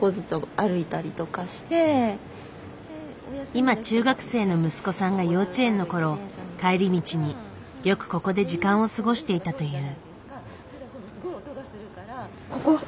今中学生の息子さんが幼稚園のころ帰り道によくここで時間を過ごしていたという。